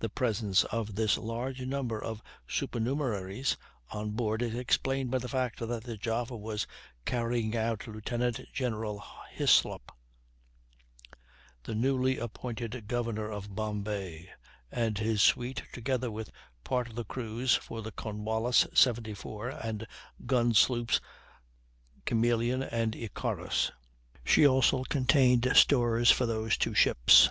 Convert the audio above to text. The presence of this large number of supernumeraries on board is explained by the fact that the Java was carrying out Lieutenant General Hislop, the newly appointed Governor of Bombay, and his suite, together with part of the crews for the Cornwallis, 74, and gun sloops Chameleon and Icarus; she also contained stores for those two ships.